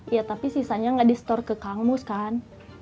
iya tapi sisanya gak di store ke kangmus kan